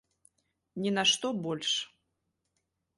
Ні на што больш.